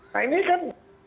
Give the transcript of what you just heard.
nah ini kan